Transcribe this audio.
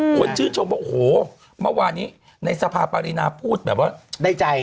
คนชื่นชมบอกว่าเมื่อวานนี้ในสภาพปริณาพูดแบบว่า